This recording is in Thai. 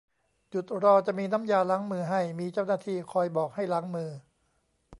จุดรอจะมีน้ำยาล้างมือให้ มีเจ้าหน้าที่คอยบอกให้ล้างมือ